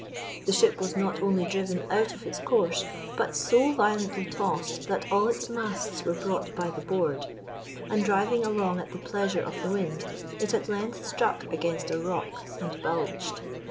The ship was not only driven out of its course, but so violently tossed, that all its masts were brought by the board; and driving along at the pleasure of the wind, it at length struck against a rock and bulged.